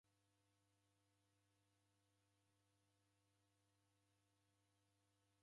W'anake w'isikireghe w'alimu w'aw'o